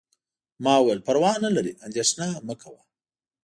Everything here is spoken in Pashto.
ما وویل: پروا نه لري، اندیښنه مه کوه.